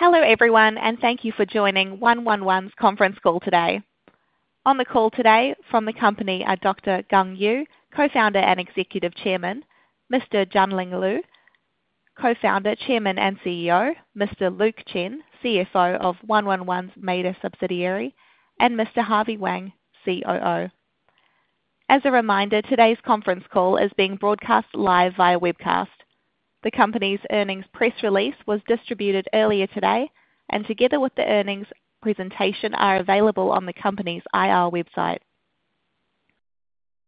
Hello everyone, and thank you for joining 111's Conference Call today. On the call today from the company are Dr. Gang Yu, Co-founder and Executive Chairman, Mr. Junling Liu, Co-founder, Chairman, and CEO, Mr. Luke Chen, CFO, and Mr. Harvey Wang, COO. As a reminder, today's conference call is being broadcast live via webcast. The company's earnings press release was distributed earlier today, and together with the earnings presentation are available on the company's IR website.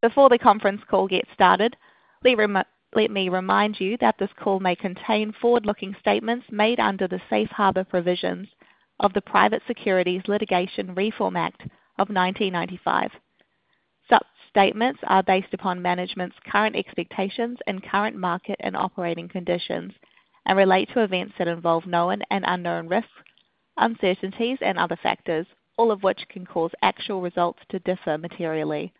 Before the conference call gets started, let me remind you that this call may contain forward-looking statements made under the safe harbor provisions of the Private Securities Litigation Reform Act of 1995. Such statements are based upon management's current expectations and current market and operating conditions, and relate to events that involve known and unknown risks, uncertainties, and other factors, all of which can cause actual results to differ materially.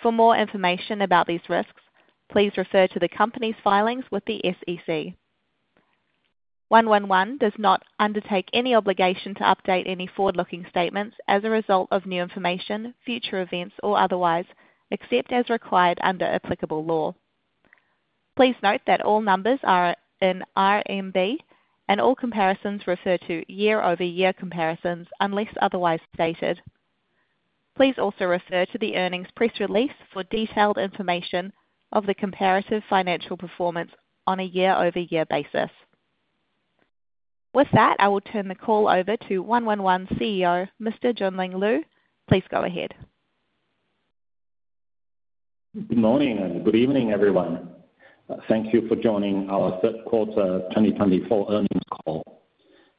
For more information about these risks, please refer to the company's filings with the SEC. 111 does not undertake any obligation to update any forward-looking statements as a result of new information, future events, or otherwise, except as required under applicable law. Please note that all numbers are in RMB, and all comparisons refer to year-over-year comparisons unless otherwise stated. Please also refer to the earnings press release for detailed information of the comparative financial performance on a year-over-year basis. With that, I will turn the call over to 111 CEO, Mr. Junling Liu. Please go ahead. Good morning and good evening, everyone. Thank you for joining our Third Quarter 2024 Earnings Call.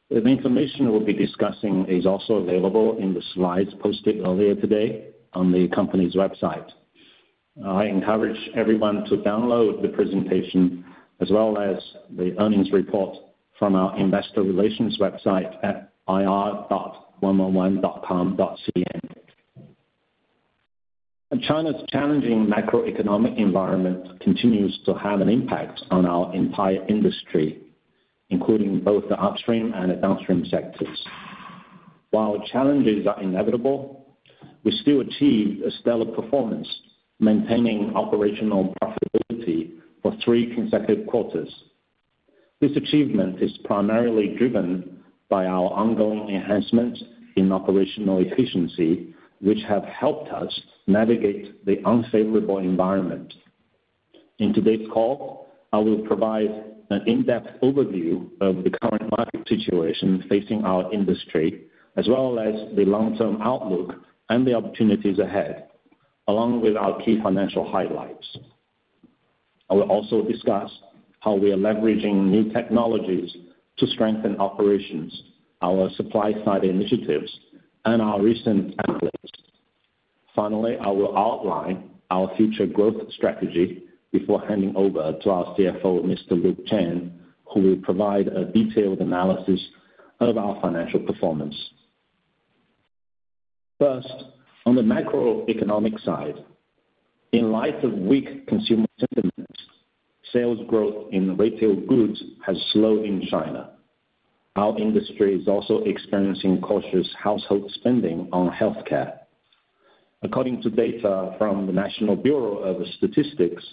The information we'll be discussing is also available in the slides posted earlier today on the company's website. I encourage everyone to download the presentation as well as the earnings report from our investor relations website at ir.111.com.cn. China's challenging macroeconomic environment continues to have an impact on our entire industry, including both the upstream and the downstream sectors. While challenges are inevitable, we still achieved a stellar performance, maintaining operational profitability for three consecutive quarters. This achievement is primarily driven by our ongoing enhancements in operational efficiency, which have helped us navigate the unfavorable environment. In today's call, I will provide an in-depth overview of the current market situation facing our industry, as well as the long-term outlook and the opportunities ahead, along with our key financial highlights. I will also discuss how we are leveraging new technologies to strengthen operations, our supply-side initiatives, and our recent templates. Finally, I will outline our future growth strategy before handing over to our CFO, Mr. Luke Chen, who will provide a detailed analysis of our financial performance. First, on the macroeconomic side, in light of weak consumer sentiment, sales growth in retail goods has slowed in China. Our industry is also experiencing cautious household spending on healthcare. According to data from the National Bureau of Statistics,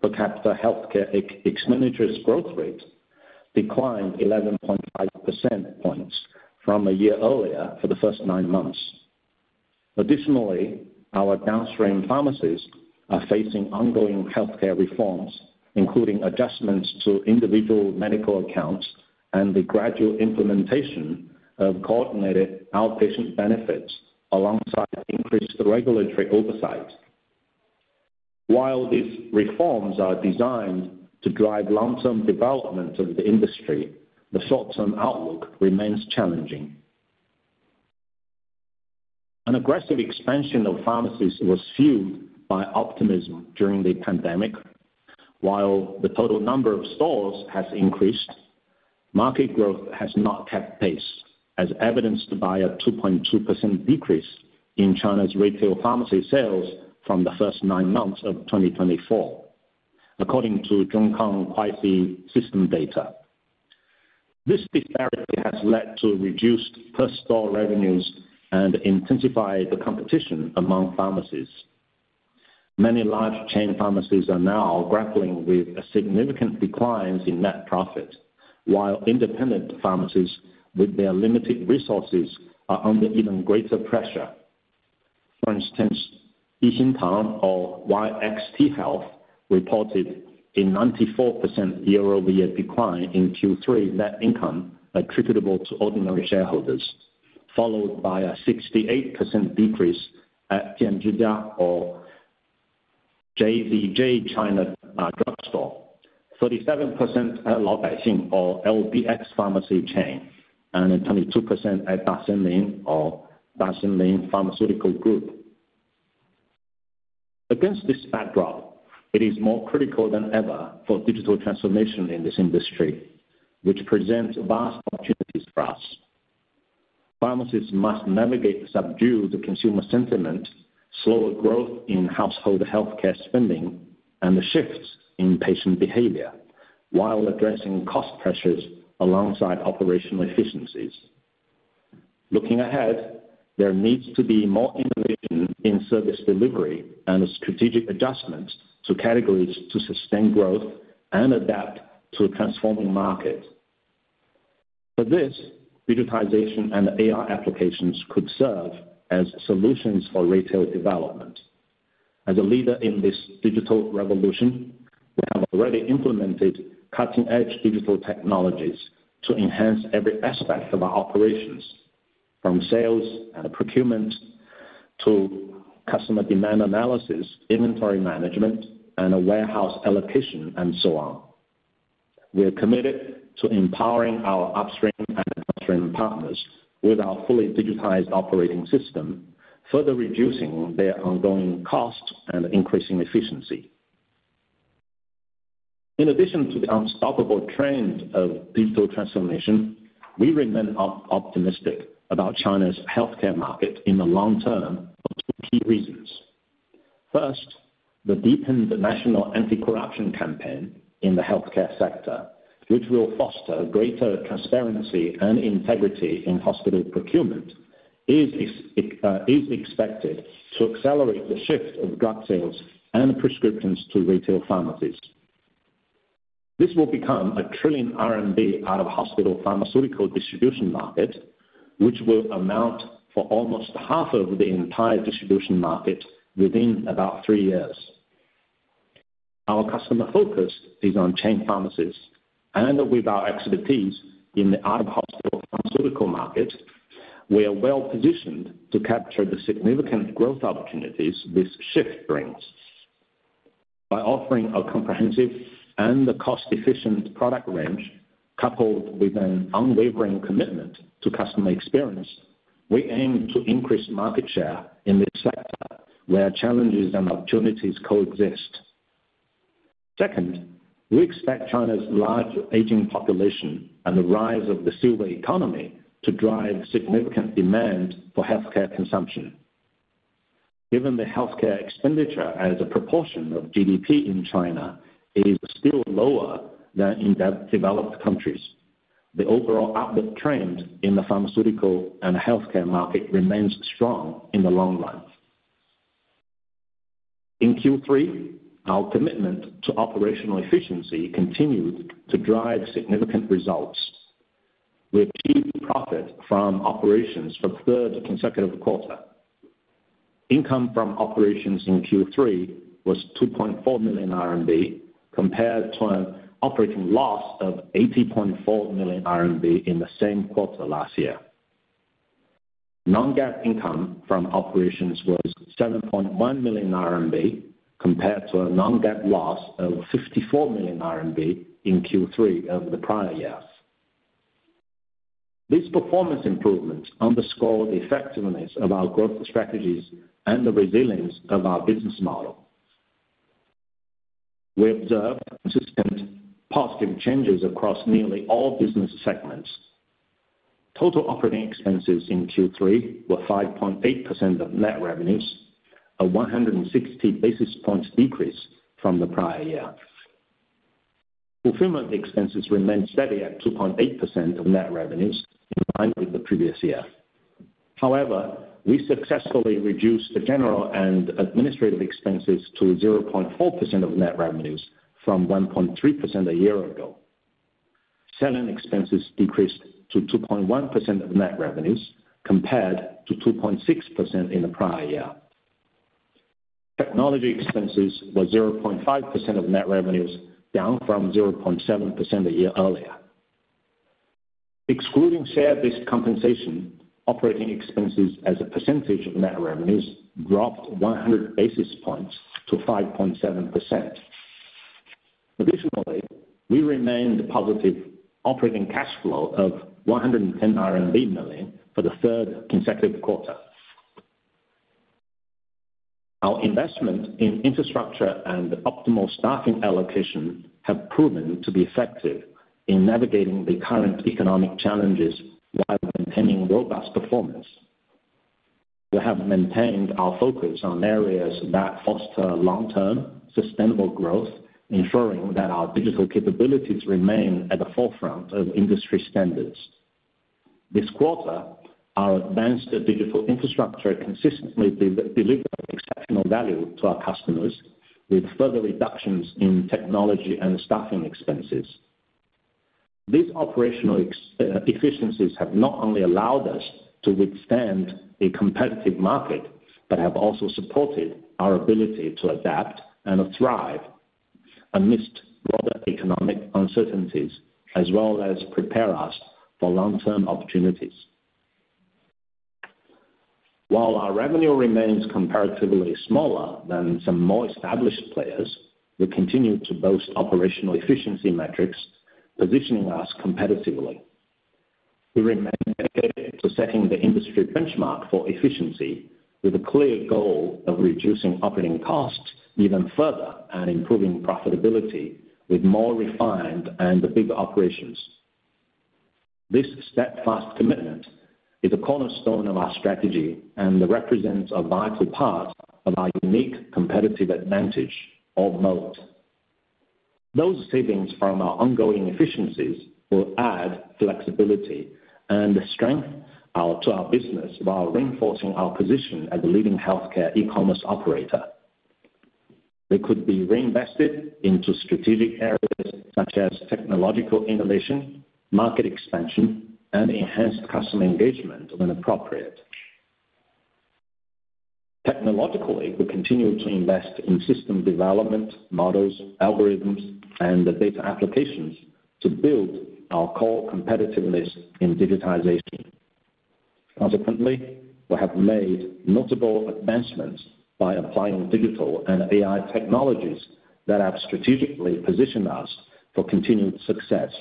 per capita healthcare expenditure's growth rate declined 11.5 percentage points from a year earlier for the first nine months. Additionally, our downstream pharmacies are facing ongoing healthcare reforms, including adjustments to individual medical accounts and the gradual implementation of coordinated outpatient benefits alongside increased regulatory oversight. While these reforms are designed to drive long-term development of the industry, the short-term outlook remains challenging. An aggressive expansion of pharmacies was fueled by optimism during the pandemic. While the total number of stores has increased, market growth has not kept pace, as evidenced by a 2.2% decrease in China's retail pharmacy sales from the first nine months of 2024, according to Zhongkang CMH system data. This disparity has led to reduced per-store revenues and intensified the competition among pharmacies. Many large chain pharmacies are now grappling with significant declines in net profit, while independent pharmacies, with their limited resources, are under even greater pressure. For instance, Yixintang, or YXT Health, reported a 94% year-over-year decline in Q3 net income attributable to ordinary shareholders, followed by a 68% decrease at Jianzhijia or JZJ China Drug Store, 37% at LaoBaiXing, or LBX Pharmacy Chain, and 22% at Dashenlin, or DaShenLin Pharmaceutical Group. Against this backdrop, it is more critical than ever for digital transformation in this industry, which presents vast opportunities for us. Pharmacies must navigate subdued consumer sentiment, slower growth in household healthcare spending, and the shifts in patient behavior, while addressing cost pressures alongside operational efficiencies. Looking ahead, there needs to be more innovation in service delivery and strategic adjustments to categories to sustain growth and adapt to a transforming market. For this, digitization and AI applications could serve as solutions for retail development. As a leader in this digital revolution, we have already implemented cutting-edge digital technologies to enhance every aspect of our operations, from sales and procurement to customer demand analysis, inventory management, and warehouse allocation, and so on. We are committed to empowering our upstream and downstream partners with our fully digitized operating system, further reducing their ongoing costs and increasing efficiency. In addition to the unstoppable trend of digital transformation, we remain optimistic about China's healthcare market in the long term for two key reasons. First, the deepened national anti-corruption campaign in the healthcare sector, which will foster greater transparency and integrity in hospital procurement, is expected to accelerate the shift of drug sales and prescriptions to retail pharmacies. This will become a trillion RMB out-of-hospital pharmaceutical distribution market, which will amount to almost half of the entire distribution market within about three years. Our customer focus is on chain pharmacies, and with our expertise in the out-of-hospital pharmaceutical market, we are well positioned to capture the significant growth opportunities this shift brings. By offering a comprehensive and cost-efficient product range, coupled with an unwavering commitment to customer experience, we aim to increase market share in this sector where challenges and opportunities coexist. Second, we expect China's large aging population and the rise of the silver economy to drive significant demand for healthcare consumption. Given the healthcare expenditure as a proportion of GDP in China is still lower than in developed countries, the overall outlook trend in the pharmaceutical and healthcare market remains strong in the long run. In Q3, our commitment to operational efficiency continued to drive significant results. We achieved profit from operations for the third consecutive quarter. Income from operations in Q3 was 2.4 million RMB, compared to an operating loss of 80.4 million RMB in the same quarter last year. Non-GAAP income from operations was 7.1 million RMB, compared to a non-GAAP loss of 54 million RMB in Q3 over the prior years. These performance improvements underscore the effectiveness of our growth strategies and the resilience of our business model. We observed consistent positive changes across nearly all business segments. Total operating expenses in Q3 were 5.8% of net revenues, a 160 basis points decrease from the prior year. Fulfillment expenses remained steady at 2.8% of net revenues, in line with the previous year. However, we successfully reduced the general and administrative expenses to 0.4% of net revenues from 1.3% a year ago. Selling expenses decreased to 2.1% of net revenues, compared to 2.6% in the prior year. Technology expenses were 0.5% of net revenues, down from 0.7% a year earlier. Excluding share-based compensation, operating expenses as a percentage of net revenues dropped 100 basis points to 5.7%. Additionally, we remained positive. Operating cash flow of 110 million RMB for the third consecutive quarter. Our investment in infrastructure and optimal staffing allocation have proven to be effective in navigating the current economic challenges while maintaining robust performance. We have maintained our focus on areas that foster long-term sustainable growth, ensuring that our digital capabilities remain at the forefront of industry standards. This quarter, our advanced digital infrastructure consistently delivered exceptional value to our customers, with further reductions in technology and staffing expenses. These operational efficiencies have not only allowed us to withstand a competitive market, but have also supported our ability to adapt and thrive amidst broader economic uncertainties, as well as prepare us for long-term opportunities. While our revenue remains comparatively smaller than some more established players, we continue to boast operational efficiency metrics, positioning us competitively. We remain dedicated to setting the industry benchmark for efficiency, with a clear goal of reducing operating costs even further and improving profitability with more refined and bigger operations. This steadfast commitment is a cornerstone of our strategy and represents a vital part of our unique competitive advantage of moat. Those savings from our ongoing efficiencies will add flexibility and strength to our business while reinforcing our position as a leading healthcare e-commerce operator. They could be reinvested into strategic areas such as technological innovation, market expansion, and enhanced customer engagement when appropriate. Technologically, we continue to invest in system development, models, algorithms, and data applications to build our core competitiveness in digitization. Consequently, we have made notable advancements by applying digital and AI technologies that have strategically positioned us for continued success.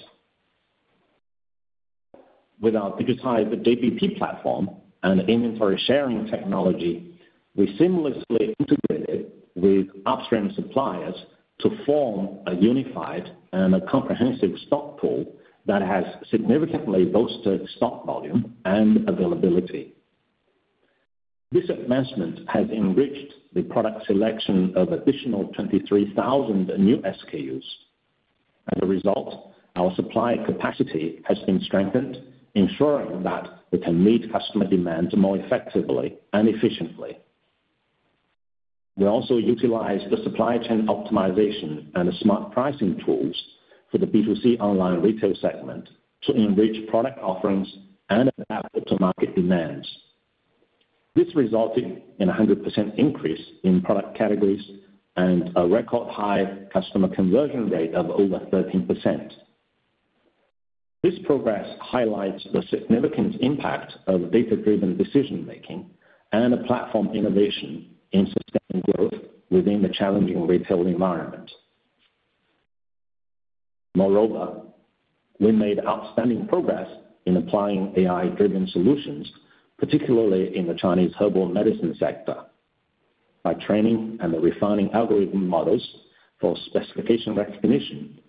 With our digitized JBP platform and inventory sharing technology, we seamlessly integrated with upstream suppliers to form a unified and comprehensive stock pool that has significantly boosted stock volume and availability. This advancement has enriched the product selection of additional 23,000 new SKUs. As a result, our supply capacity has been strengthened, ensuring that we can meet customer demand more effectively and efficiently. We also utilize the supply chain optimization and smart pricing tools for the B2C online retail segment to enrich product offerings and adapt to market demands. This resulted in a 100% increase in product categories and a record-high customer conversion rate of over 13%. This progress highlights the significant impact of data-driven decision-making and platform innovation in sustaining growth within the challenging retail environment. Moreover, we made outstanding progress in applying AI-driven solutions, particularly in the Chinese herbal medicine sector. By training and refining algorithm models for specification recognition,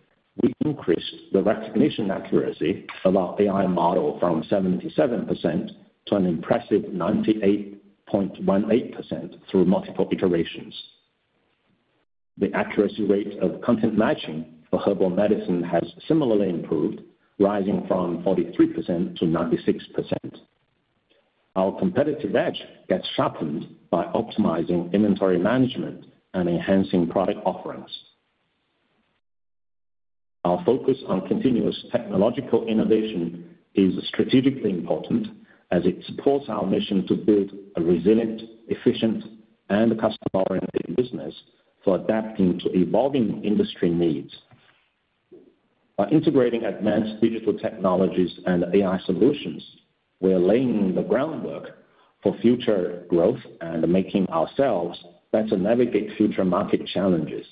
we increased the recognition accuracy of our AI model from 77% to an impressive 98.18% through multiple iterations. The accuracy rate of content matching for herbal medicine has similarly improved, rising from 43% to 96%. Our competitive edge gets sharpened by optimizing inventory management and enhancing product offerings. Our focus on continuous technological innovation is strategically important, as it supports our mission to build a resilient, efficient, and customer-oriented business for adapting to evolving industry needs. By integrating advanced digital technologies and AI solutions, we are laying the groundwork for future growth and making ourselves better navigate future market challenges.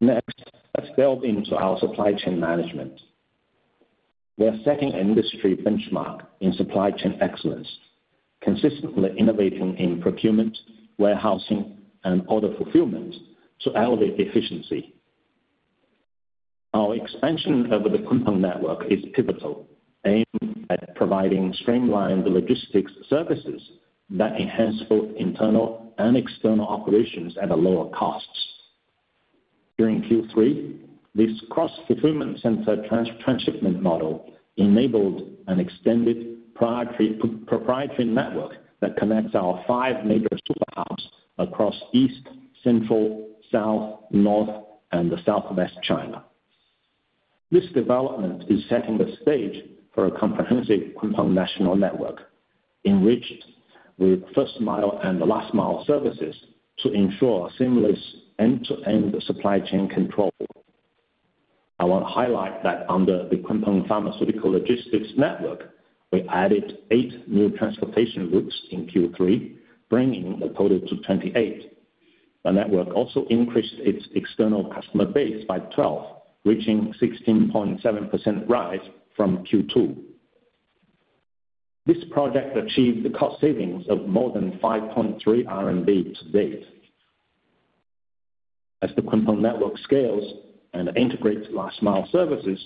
Next, let's delve into our supply chain management. We are setting an industry benchmark in supply chain excellence, consistently innovating in procurement, warehousing, and order fulfillment to elevate efficiency. Our expansion over the Kunpeng network is pivotal, aimed at providing streamlined logistics services that enhance both internal and external operations at lower costs. During Q3, this cross-fulfillment center transshipment model enabled an extended proprietary network that connects our five major superhubs across East, Central, South, North, and the Southwest China. This development is setting the stage for a comprehensive Kunpeng national network, enriched with first-mile and last-mile services to ensure seamless end-to-end supply chain control. I want to highlight that under the Kunpeng Pharmaceutical Logistics Network, we added eight new transportation routes in Q3, bringing the total to 28. The network also increased its external customer base by 12, reaching a 16.7% rise from Q2. This project achieved cost savings of more than 5.3 RMB to date. As the Kunpeng network scales and integrates last-mile services,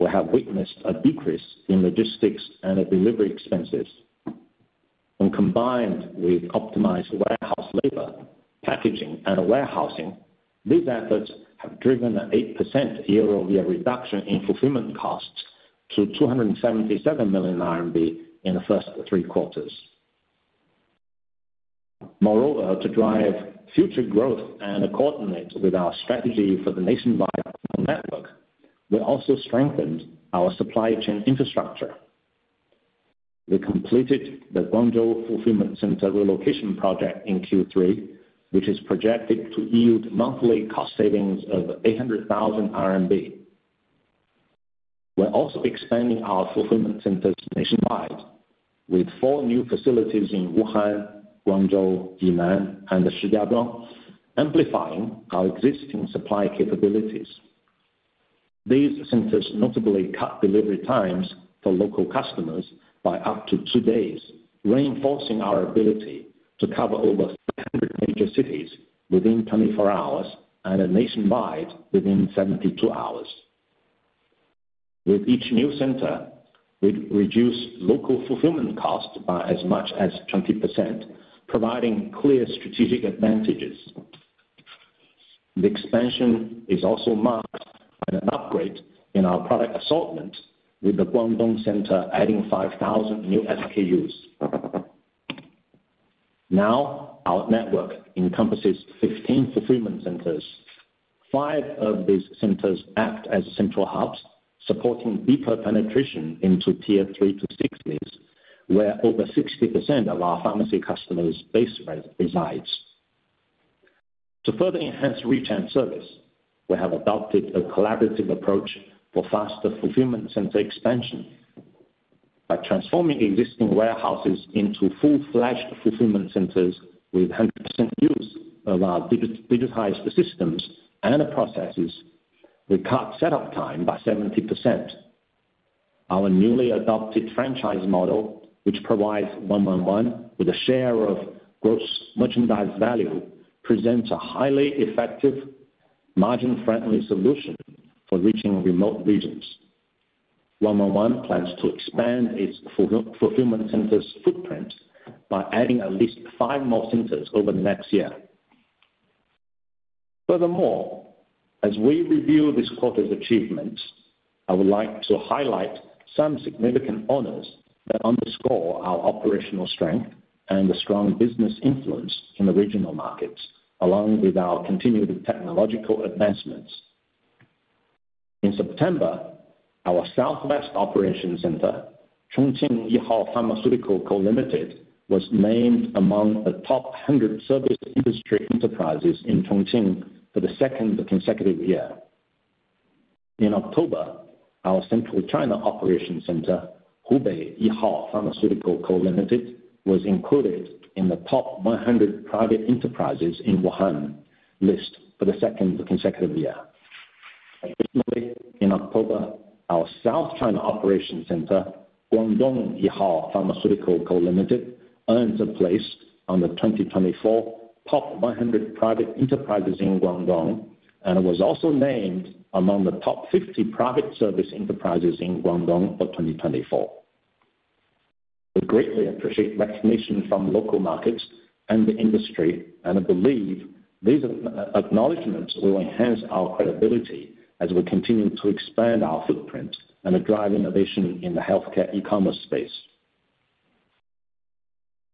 we have witnessed a decrease in logistics and delivery expenses. When combined with optimized warehouse labor, packaging, and warehousing, these efforts have driven an 8% year-over-year reduction in fulfillment costs to 277 million RMB in the first three quarters. Moreover, to drive future growth and coordinate with our strategy for the nationwide Kunpeng network, we also strengthened our supply chain infrastructure. We completed the Guangzhou Fulfillment Center relocation project in Q3, which is projected to yield monthly cost savings of 800,000 RMB. We're also expanding our fulfillment centers nationwide, with four new facilities in Wuhan, Guangzhou, Yunnan, and Shijiazhuang, amplifying our existing supply capabilities. These centers notably cut delivery times for local customers by up to two days, reinforcing our ability to cover over 300 major cities within 24 hours and nationwide within 72 hours. With each new center, we reduce local fulfillment costs by as much as 20%, providing clear strategic advantages. The expansion is also marked by an upgrade in our product assortment, with the Guangdong Center adding 5,000 new SKUs. Now, our network encompasses 15 fulfillment centers. Five of these centers act as central hubs, supporting deeper penetration into Tier 3 to 6 lists, where over 60% of our pharmacy customers' base resides. To further enhance reach and service, we have adopted a collaborative approach for faster fulfillment center expansion. By transforming existing warehouses into full-fledged fulfillment centers with 100% use of our digitized systems and processes, we cut setup time by 70%. Our newly adopted franchise model, which provides 111 with a share of gross merchandise value, presents a highly effective, margin-friendly solution for reaching remote regions. 111 plans to expand its fulfillment center's footprint by adding at least five more centers over the next year. Furthermore, as we review this quarter's achievements, I would like to highlight some significant honors that underscore our operational strength and a strong business influence in the regional markets, along with our continued technological advancements. In September, our Southwest Operations Center, Chongqing Yihao Pharmaceutical Co., Ltd., was named among the top 100 service industry enterprises in Chongqing for the second consecutive year. In October, our Central China Operations Center, Hubei Yihao Pharmaceutical Co., Ltd., was included in the top 100 private enterprises in Wuhan list for the second consecutive year. Additionally, in October, our South China Operations Center, Guangdong Yihao Pharmaceutical Co., Ltd., earned a place on the 2024 Top 100 Private Enterprises in Guangdong, and it was also named among the Top 50 Private Service Enterprises in Guangdong for 2024. We greatly appreciate recognition from local markets and the industry, and I believe these acknowledgments will enhance our credibility as we continue to expand our footprint and drive innovation in the healthcare e-commerce space.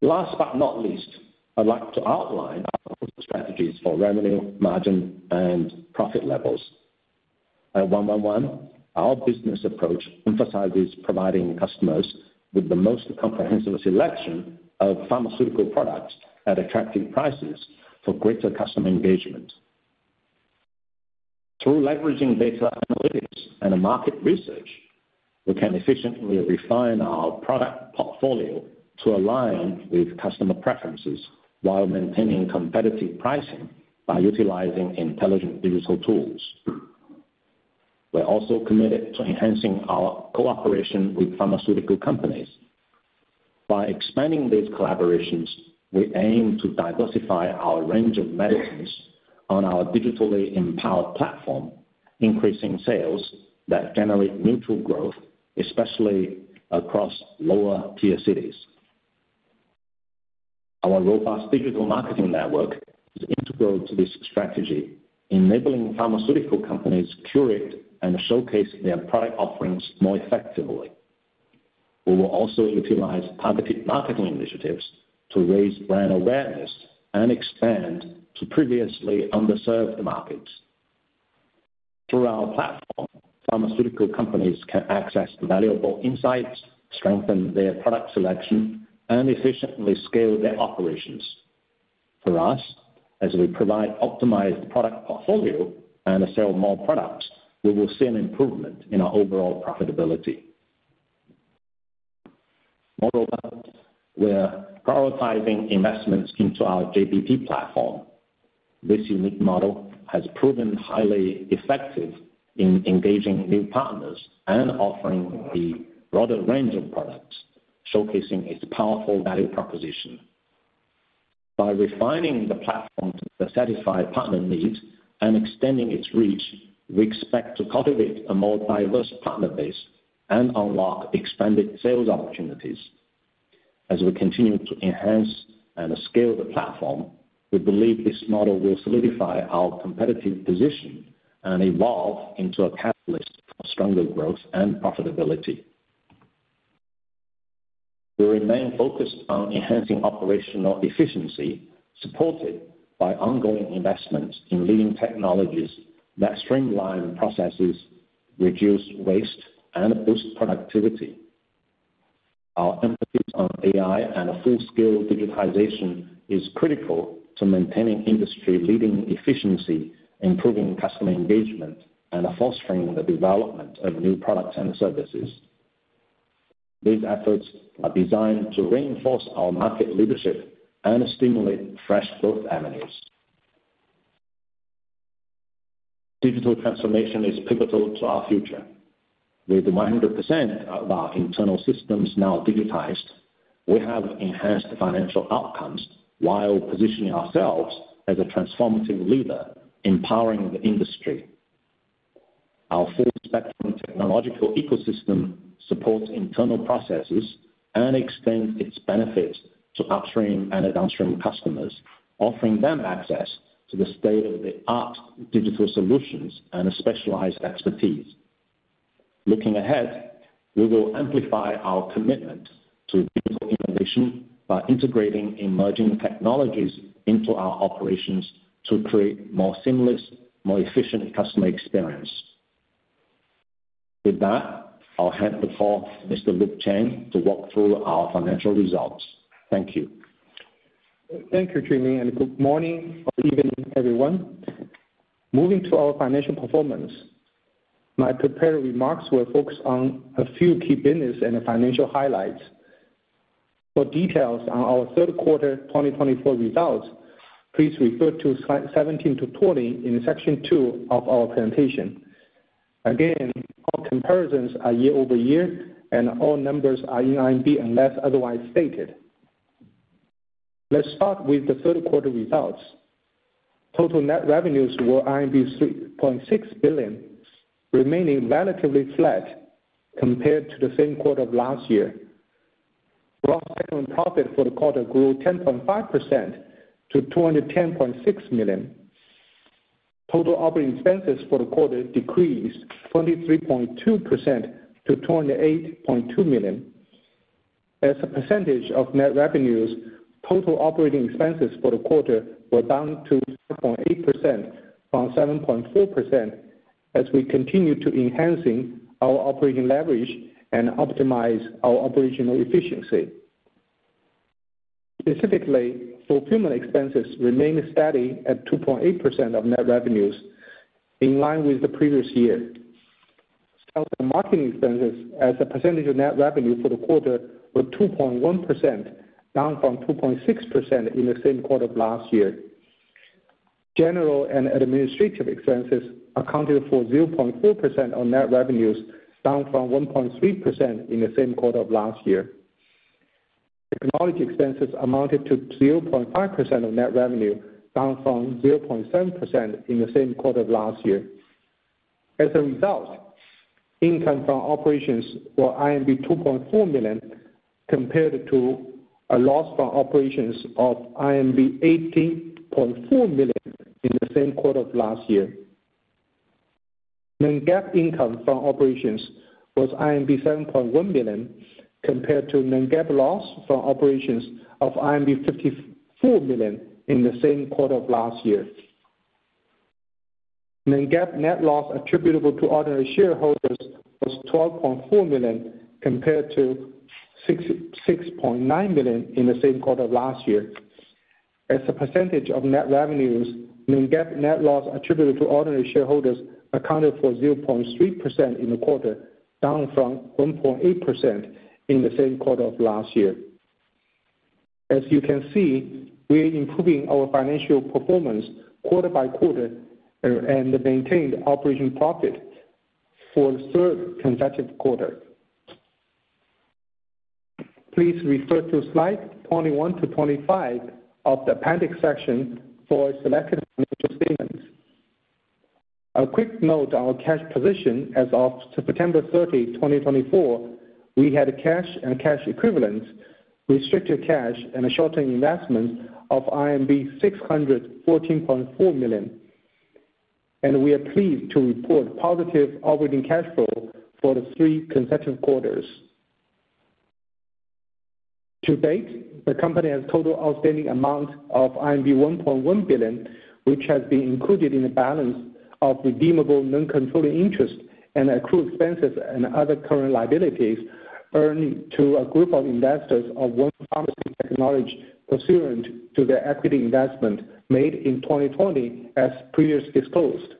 Last but not least, I'd like to outline our strategies for revenue, margin, and profit levels. At 111, our business approach emphasizes providing customers with the most comprehensive selection of pharmaceutical products at attractive prices for greater customer engagement. Through leveraging data analytics and market research, we can efficiently refine our product portfolio to align with customer preferences while maintaining competitive pricing by utilizing intelligent digital tools. We're also committed to enhancing our cooperation with pharmaceutical companies. By expanding these collaborations, we aim to diversify our range of medicines on our digitally empowered platform, increasing sales that generate mutual growth, especially across lower-tier cities. Our robust digital marketing network is integral to this strategy, enabling pharmaceutical companies to curate and showcase their product offerings more effectively. We will also utilize targeted marketing initiatives to raise brand awareness and expand to previously underserved markets. Through our platform, pharmaceutical companies can access valuable insights, strengthen their product selection, and efficiently scale their operations. For us, as we provide an optimized product portfolio and sell more products, we will see an improvement in our overall profitability. Moreover, we're prioritizing investments into our JBP platform. This unique model has proven highly effective in engaging new partners and offering a broader range of products, showcasing its powerful value proposition. By refining the platform to satisfy partner needs and extending its reach, we expect to cultivate a more diverse partner base and unlock expanded sales opportunities. As we continue to enhance and scale the platform, we believe this model will solidify our competitive position and evolve into a catalyst for stronger growth and profitability. We remain focused on enhancing operational efficiency, supported by ongoing investments in leading technologies that streamline processes, reduce waste, and boost productivity. Our emphasis on AI and full-scale digitization is critical to maintaining industry-leading efficiency, improving customer engagement, and fostering the development of new products and services. These efforts are designed to reinforce our market leadership and stimulate fresh growth avenues. Digital transformation is pivotal to our future. With 100% of our internal systems now digitized, we have enhanced financial outcomes while positioning ourselves as a transformative leader, empowering the industry. Our full-spectrum technological ecosystem supports internal processes and extends its benefits to upstream and downstream customers, offering them access to the state-of-the-art digital solutions and specialized expertise. Looking ahead, we will amplify our commitment to digital innovation by integrating emerging technologies into our operations to create a more seamless, more efficient customer experience. With that, I'll hand the floor to Mr. Luke Chen to walk through our financial results. Thank you. Thank you, Junling, and good morning or evening, everyone. Moving to our financial performance, my prepared remarks will focus on a few key business and financial highlights. For details on our third quarter 2024 results, please refer to slides 17 to 20 in section 2 of our presentation. Again, all comparisons are year-over-year, and all numbers are in RMB unless otherwise stated. Let's start with the third quarter results. Total net revenues were 3.6 billion, remaining relatively flat compared to the same quarter of last year. Gross net profit for the quarter grew 10.5% to 210.6 million. Total operating expenses for the quarter decreased 23.2% to 208.2 million. As a percentage of net revenues, total operating expenses for the quarter were down to 5.8% from 7.4% as we continue to enhance our operating leverage and optimize our operational efficiency. Specifically, fulfillment expenses remained steady at 2.8% of net revenues, in line with the previous year. Sales and marketing expenses, as a percentage of net revenue for the quarter, were 2.1%, down from 2.6% in the same quarter of last year. General and administrative expenses accounted for 0.4% of net revenues, down from 1.3% in the same quarter of last year. Technology expenses amounted to 0.5% of net revenue, down from 0.7% in the same quarter of last year. As a result, income from operations was 2.4 million compared to a loss from operations of 18.4 million in the same quarter of last year. Non-GAAP income from operations was 7.1 million compared to non-GAAP loss from operations of 54 million in the same quarter of last year. Non-GAAP net loss attributable to ordinary shareholders was 12.4 million compared to 6.9 million in the same quarter of last year. As a percentage of net revenues, non-GAAP net loss attributable to ordinary shareholders accounted for 0.3% in the quarter, down from 1.8% in the same quarter of last year. As you can see, we're improving our financial performance quarter by quarter and maintained operating profit for the third consecutive quarter. Please refer to slides 21-25 of the appendix section for selected financial statements. A quick note on our cash position: as of September 30, 2024, we had cash and cash equivalents, restricted cash, and a short-term investment of 614.4 million. We are pleased to report positive operating cash flow for the three consecutive quarters. To date, the company has a total outstanding amount of 1.1 billion, which has been included in the balance of redeemable non-controlling interest and accrued expenses and other current liabilities earned to a group of investors of 1 Pharmacy Technology pursuant to their equity investment made in 2020, as previously disclosed.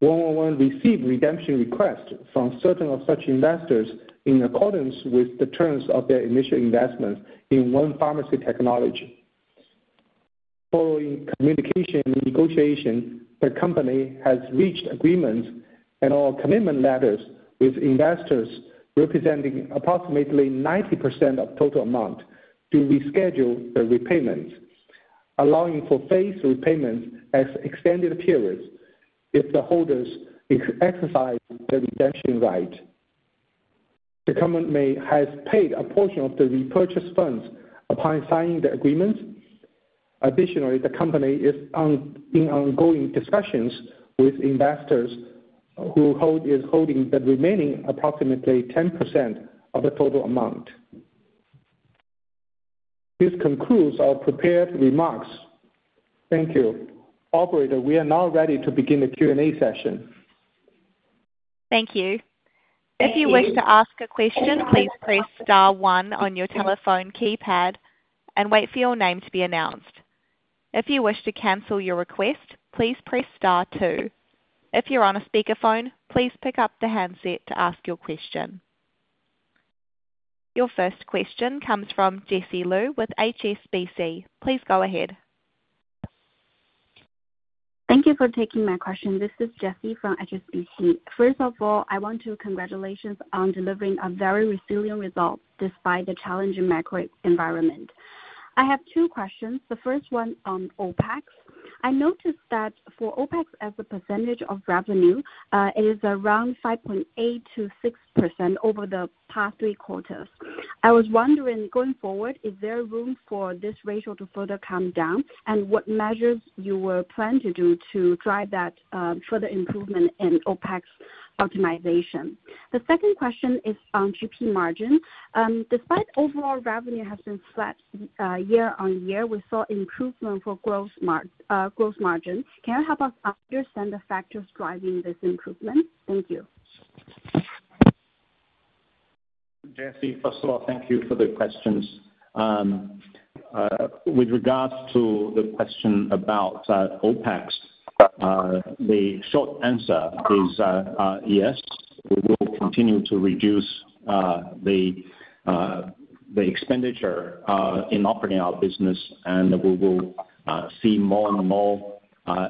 111 received redemption requests from certain of such investors in accordance with the terms of their initial investment in 1 Pharmacy Technology. Following communication and negotiation, the company has reached agreements and/or commitment letters with investors representing approximately 90% of the total amount to reschedule the repayments, allowing for phased repayments as extended periods if the holders exercise their redemption right. The government has paid a portion of the repurchase funds upon signing the agreements. Additionally, the company is in ongoing discussions with investors who are holding the remaining approximately 10% of the total amount. This concludes our prepared remarks. Thank you. Operator, we are now ready to begin the Q&A session. Thank you. If you wish to ask a question, please press star one on your telephone keypad and wait for your name to be announced. If you wish to cancel your request, please press star two. If you're on a speakerphone, please pick up the handset to ask your question. Your first question comes from Jessie Liu with HSBC. Please go ahead. Thank you for taking my question. This is Jessie from HSBC. First of all, I want to congratulate you on delivering a very resilient result despite the challenging macro environment. I have two questions. The first one on OpEx. I noticed that for OpEx, as a percentage of revenue, it is around 5.8%-6% over the past three quarters. I was wondering, going forward, is there room for this ratio to further come down, and what measures you will plan to do to drive that further improvement in OpEx optimization? The second question is on GP margin. Despite overall revenue has been flat year on year, we saw improvement for gross margin. Can you help us understand the factors driving this improvement? Thank you. Jessie, first of all, thank you for the questions. With regards to the question about OpEx, the short answer is yes. We will continue to reduce the expenditure in operating our business, and we will see more and more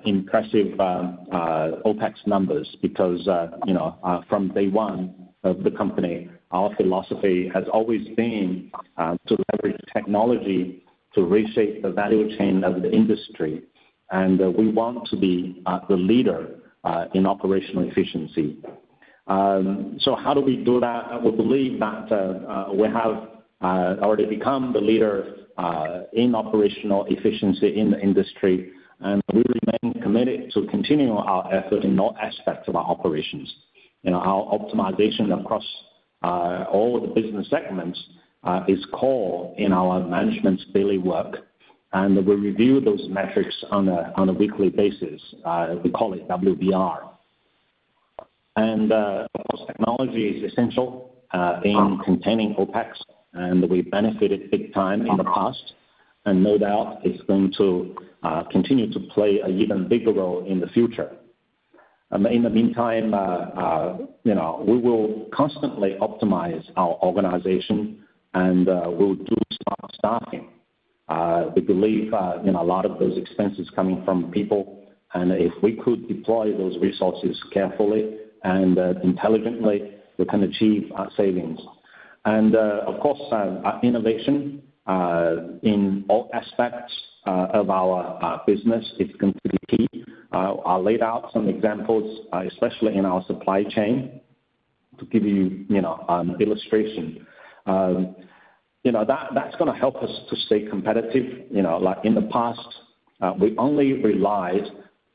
impressive OpEx numbers because from day one of the company, our philosophy has always been to leverage technology to reshape the value chain of the industry, and we want to be the leader in operational efficiency. So how do we do that? We believe that we have already become the leader in operational efficiency in the industry, and we remain committed to continuing our effort in all aspects of our operations. Our optimization across all the business segments is core in our management's daily work, and we review those metrics on a weekly basis. We call it WBR. And of course, technology is essential in containing OpEx, and we benefited big time in the past, and no doubt it's going to continue to play an even bigger role in the future. In the meantime, we will constantly optimize our organization, and we'll do smart staffing. We believe a lot of those expenses are coming from people, and if we could deploy those resources carefully and intelligently, we can achieve savings. And of course, innovation in all aspects of our business is completely key. I'll lay out some examples, especially in our supply chain, to give you an illustration. That's going to help us to stay competitive. In the past, we only relied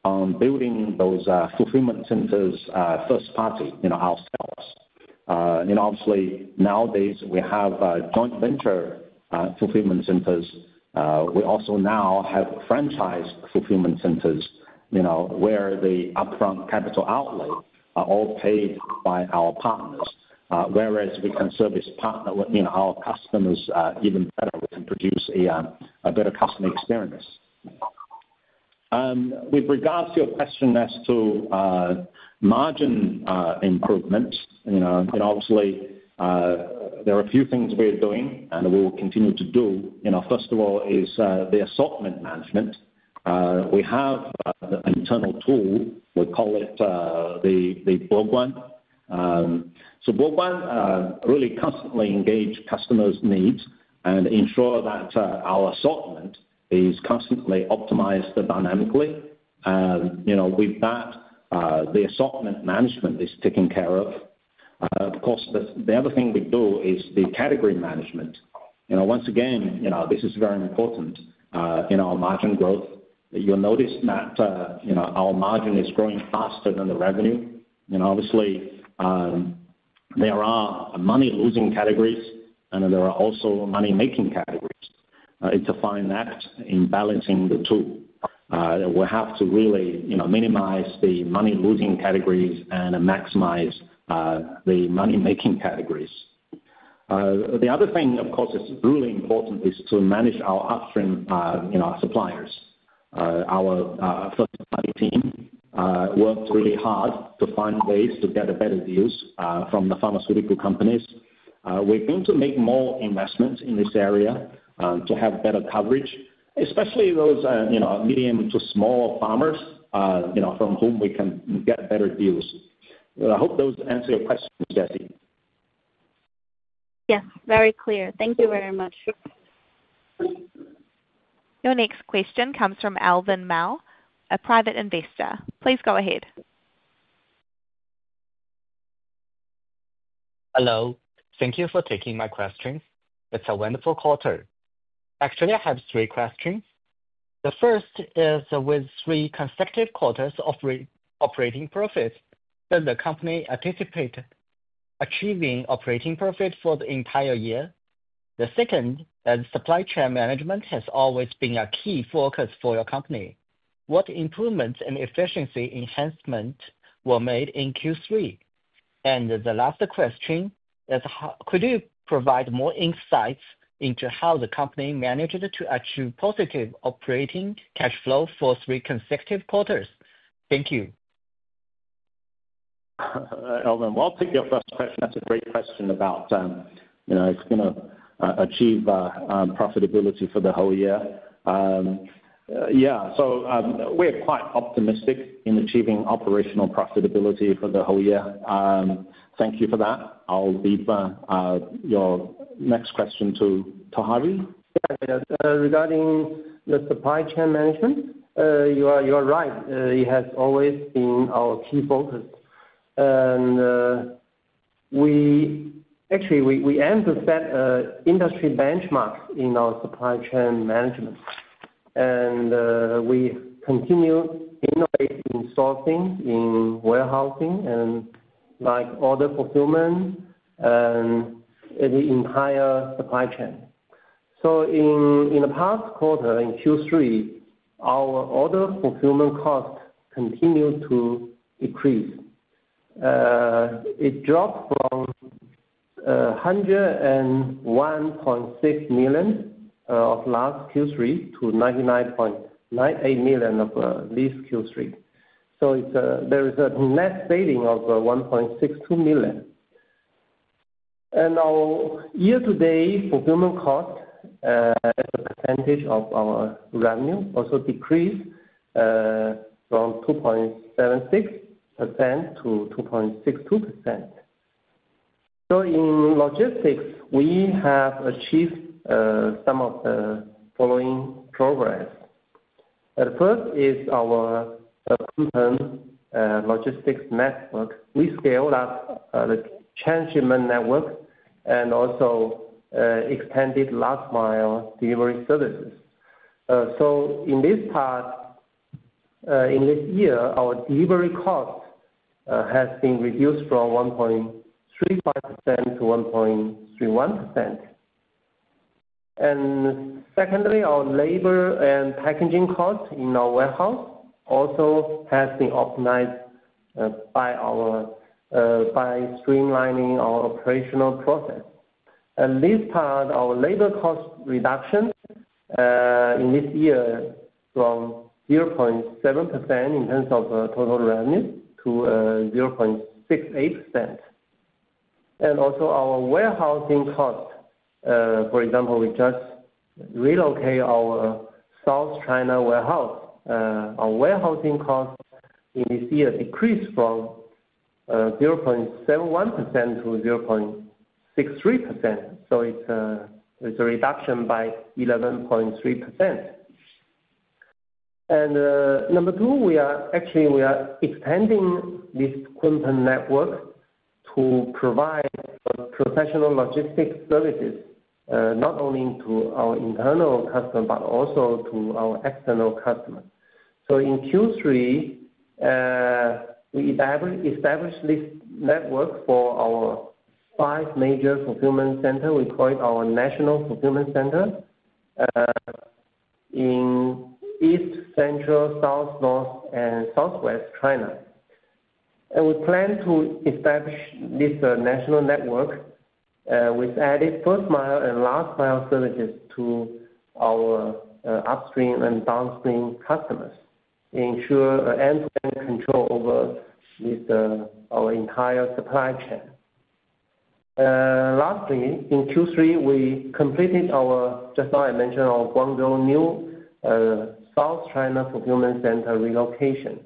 on building those fulfillment centers first-party, ourselves. Obviously, nowadays, we have joint venture fulfillment centers. We also now have franchise fulfillment centers where the upfront capital outlay are all paid by our partners, whereas we can service our customers even better. We can produce a better customer experience. With regards to your question as to margin improvement, obviously, there are a few things we're doing and we will continue to do. First of all is the assortment management. We have an internal tool. We call it the Borguan. So Borguan really constantly engages customers' needs and ensures that our assortment is constantly optimized dynamically. With that, the assortment management is taken care of. Of course, the other thing we do is the category management. Once again, this is very important in our margin growth. You'll notice that our margin is growing faster than the revenue. Obviously, there are money-losing categories, and there are also money-making categories. It's a fine act in balancing the two. We have to really minimize the money-losing categories and maximize the money-making categories. The other thing, of course, that's really important is to manage our upstream suppliers. Our first-party team worked really hard to find ways to get better deals from the pharmaceutical companies. We're going to make more investments in this area to have better coverage, especially those medium to small pharmas from whom we can get better deals. I hope those answer your questions, Jessie. Yes, very clear. Thank you very much. Your next question comes from Alvin Mau, a private investor. Please go ahead. Hello. Thank you for taking my question. It's a wonderful quarter. Actually, I have three questions. The first is with three consecutive quarters of operating profit. Does the company anticipate achieving operating profit for the entire year? The second is supply chain management has always been a key focus for your company. What improvements and efficiency enhancements were made in Q3? And the last question is, could you provide more insights into how the company managed to achieve positive operating cash flow for three consecutive quarters? Thank you. Alvin, well, I'll take your first question. That's a great question about if we're going to achieve profitability for the whole year. Yeah. So we're quite optimistic in achieving operational profitability for the whole year. Thank you for that. I'll leave your next question to Harvey. Regarding the supply chain management, you are right. It has always been our key focus. And we aim to set industry benchmarks in our supply chain management. And we continue innovating in sourcing, in warehousing, and other fulfillment, and the entire supply chain. So in the past quarter, in Q3, our order fulfillment cost continued to decrease. It dropped from 101.6 million of last Q3 to 99.98 million of this Q3. So there is a net saving of 1.62 million. And our year-to-date fulfillment cost as a percentage of our revenue also decreased from 2.76% to 2.62%. So in logistics, we have achieved some of the following progress. The first is our long-term logistics network. We scaled up the chain shipment network and also extended last-mile delivery services. So in this part, in this year, our delivery cost has been reduced from 1.35% to 1.31%. And secondly, our labor and packaging cost in our warehouse also has been optimized by streamlining our operational process. And this part, our labor cost reduction in this year from 0.7% in terms of total revenue to 0.68%. Also, our warehousing cost, for example, we just relocated our South China warehouse. Our warehousing cost in this year decreased from 0.71% to 0.63%. So it's a reduction by 11.3%. And number two, actually, we are extending this fulfillment network to provide professional logistics services not only to our internal customers but also to our external customers. So in Q3, we established this network for our five major fulfillment centers. We call it our National Fulfillment Center in East, Central, South, North, and Southwest China. And we plan to establish this national network with added first-mile and last-mile services to our upstream and downstream customers to ensure end-to-end control over our entire supply chain. Lastly, in Q3, we completed our—just now I mentioned our Guangzhou, our South China fulfillment center relocation.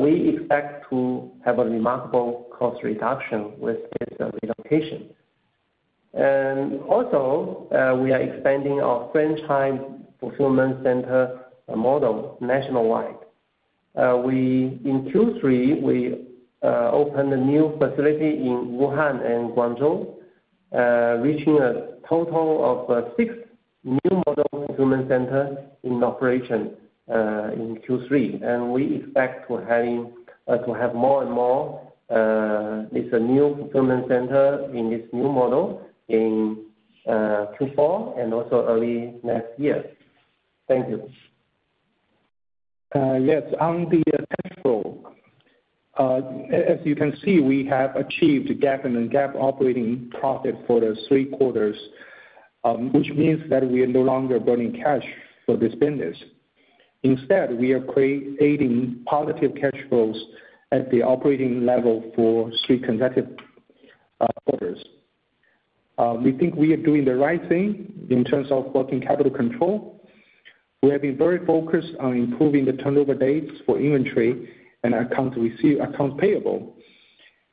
We expect to have a remarkable cost reduction with this relocation. And also, we are expanding our franchise fulfillment center model nationwide. In Q3, we opened a new facility in Wuhan and Guangzhou, reaching a total of six new model fulfillment centers in operation in Q3. And we expect to have more and more of this new fulfillment center in this new model in Q4 and also early next year. Thank you. Yes. On the cash flow, as you can see, we have achieved a GAAP and non-GAAP operating profit for the three quarters, which means that we are no longer burning cash for this business. Instead, we are creating positive cash flows at the operating level for three consecutive quarters. We think we are doing the right thing in terms of working capital control. We have been very focused on improving the turnover days for inventory and accounts payable.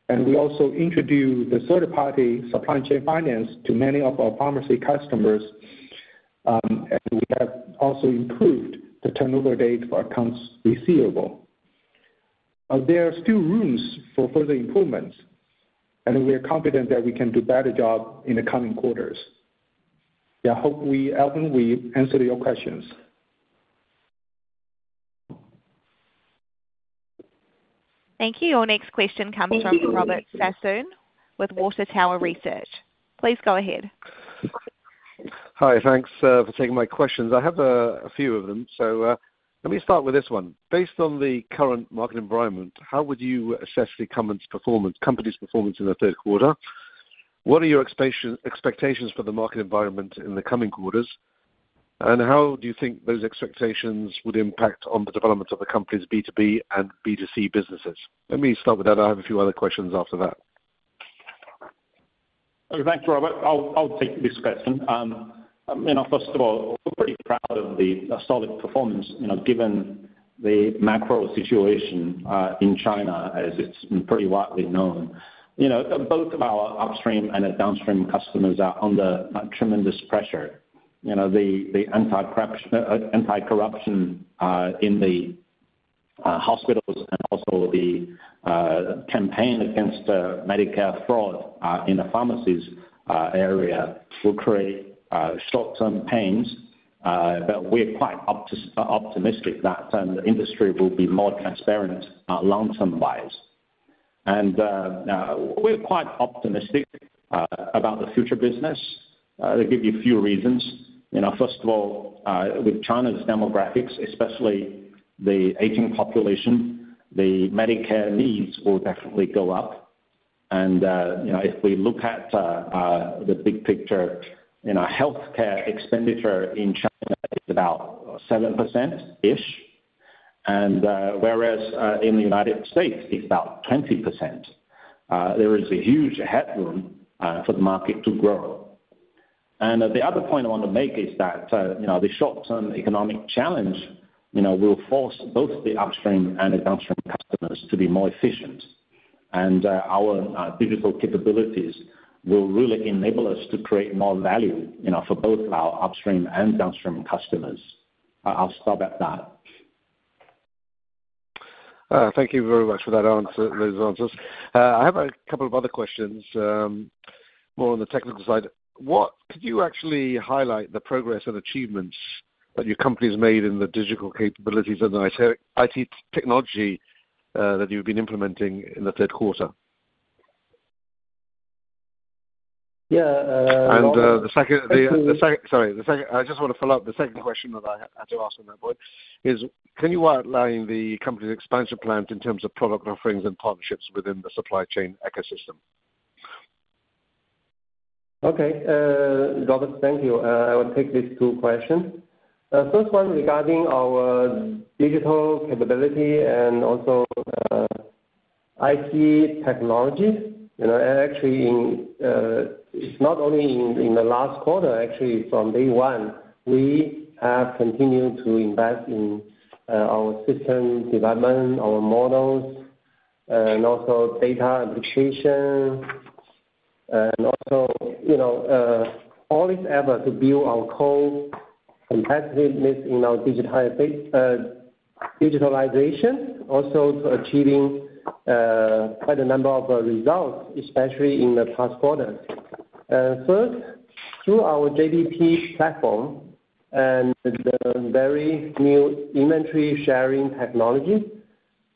And we also introduced the third-party supply chain finance to many of our pharmacy customers. And we have also improved the turnover date for accounts receivable. There are still rooms for further improvements, and we are confident that we can do a better job in the coming quarters. Yeah. Alvin, we answered your questions. Thank you. Our next question comes from Robert Sassoon with Water Tower Research. Please go ahead. Hi. Thanks for taking my questions. I have a few of them. So let me start with this one. Based on the current market environment, how would you assess the company's performance in the third quarter? What are your expectations for the market environment in the coming quarters? And how do you think those expectations would impact on the development of the company's B2B and B2C businesses? Let me start with that. I have a few other questions after that. Thanks, Robert. I'll take this question. First of all, we're pretty proud of the solid performance given the macro situation in China, as it's pretty widely known. Both our upstream and downstream customers are under tremendous pressure. The anti-corruption in the hospitals and also the campaign against Medicare fraud in the pharmacies area will create short-term pains. But we're quite optimistic that the industry will be more transparent long-term-wise. And we're quite optimistic about the future business. I'll give you a few reasons. First of all, with China's demographics, especially the aging population, the Medicare needs will definitely go up. And if we look at the big picture, healthcare expenditure in China is about 7%-ish, whereas in the United States, it's about 20%. There is a huge headroom for the market to grow. And the other point I want to make is that the short-term economic challenge will force both the upstream and the downstream customers to be more efficient. And our digital capabilities will really enable us to create more value for both our upstream and downstream customers. I'll stop at that. Thank you very much for those answers. I have a couple of other questions, more on the technical side. Could you actually highlight the progress and achievements that your company has made in the digital capabilities and the IT technology that you've been implementing in the third quarter? Yeah. And the second, sorry. I just want to follow up. The second question that I had to ask on that point is, can you outline the company's expansion plan in terms of product offerings and partnerships within the supply chain ecosystem? Okay. Robert, thank you. I will take these two questions. First one, regarding our digital capability and also IT technology. Actually, it's not only in the last quarter. Actually, from day one, we have continued to invest in our system development, our models, and also data application, and also all this effort to build our core competitiveness in our digitalization, also achieving quite a number of results, especially in the past quarters. First, through our JBP platform and the very new inventory sharing technology,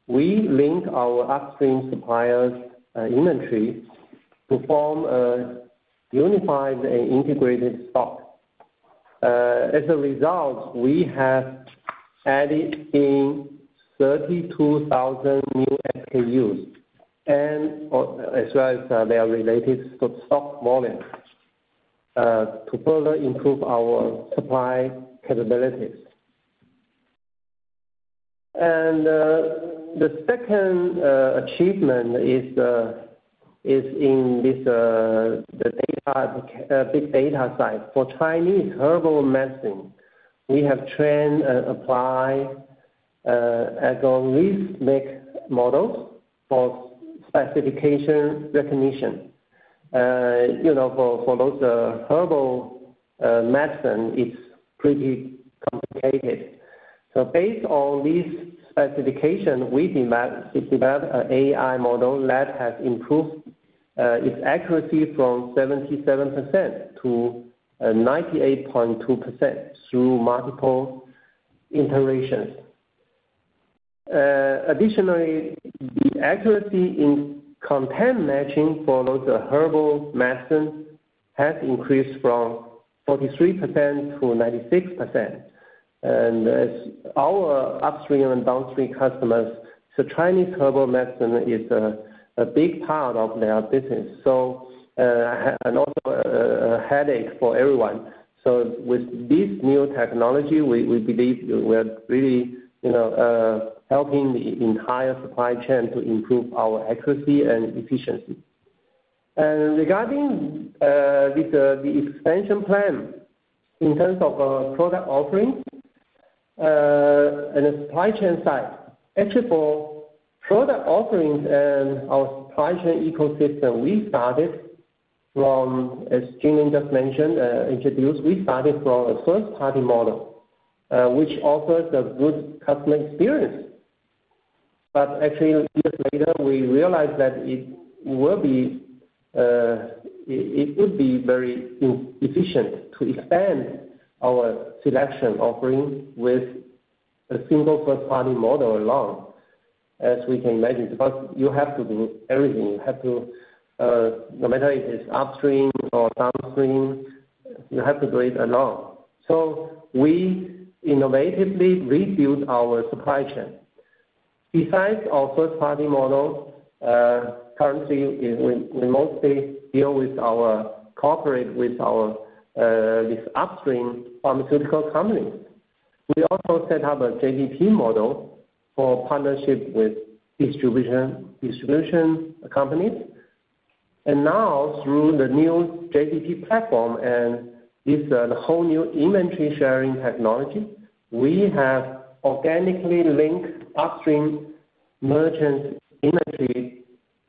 we link our upstream suppliers' inventory to form a unified and integrated stock. As a result, we have added in 32,000 new SKUs and as well as their related stock volume to further improve our supply capabilities, and the second achievement is in the big data side. For Chinese herbal medicine, we have trained and applied agnostic models for specification recognition. For those herbal medicines, it's pretty complicated. So based on these specifications, we developed an AI model that has improved its accuracy from 77% to 98.2% through multiple iterations. Additionally, the accuracy in content matching for those herbal medicines has increased from 43% to 96%. And as our upstream and downstream customers, the Chinese herbal medicine is a big part of their business and also a headache for everyone. So with this new technology, we believe we are really helping the entire supply chain to improve our accuracy and efficiency. And regarding the expansion plan in terms of product offerings and the supply chain side, actually, for product offerings and our supply chain ecosystem, we started from, as Junling just mentioned, we started from a first-party model, which offers a good customer experience. But actually, years later, we realized that it would be very inefficient to expand our selection offering with a single first-party model alone, as we can imagine. Because you have to do everything. No matter if it's upstream or downstream, you have to do it alone. So we innovatively rebuilt our supply chain. Besides our first-party model, currently, we mostly deal with our corporate with these upstream pharmaceutical companies. We also set up a JBP model for partnership with distribution companies. And now, through the new JBP platform and this whole new inventory sharing technology, we have organically linked upstream merchant inventory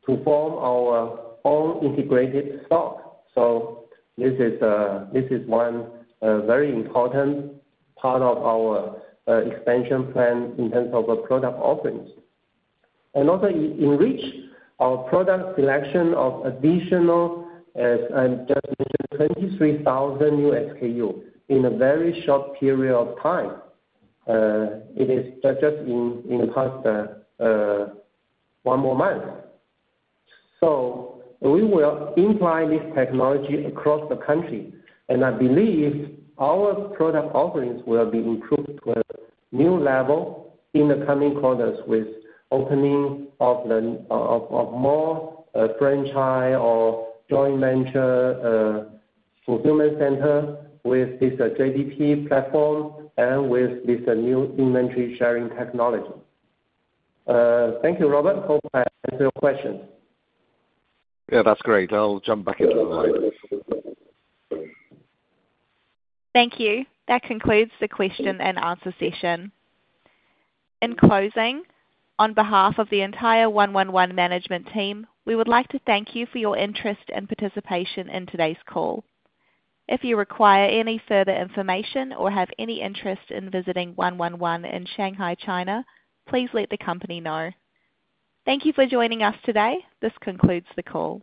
to form our own integrated stock. So this is one very important part of our expansion plan in terms of product offerings. And also enrich our product selection of additional, as I just mentioned, 23,000 new SKUs in a very short period of time. It is just in the past one more month. So we will implement this technology across the country. And I believe our product offerings will be improved to a new level in the coming quarters with opening of more franchise or joint venture fulfillment centers with this JBP platform and with this new inventory sharing technology. Thank you, Robert. I hope I answered your questions. Yeah. That's great. I'll jump back into the line. Thank you. That concludes the question and answer session. In closing, on behalf of the entire 111 Management Team, we would like to thank you for your interest and participation in today's call. If you require any further information or have any interest in visiting 111 in Shanghai, China, please let the company know. Thank you for joining us today. This concludes the call.